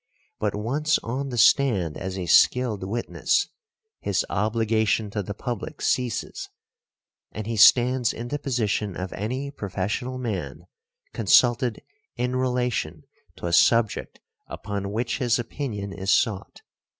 But once on the stand as a skilled witness his obligation to the public ceases, and he stands in the position of any professional man consulted in relation to a subject upon which his opinion is sought.